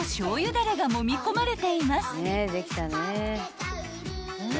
だれがもみ込まれています］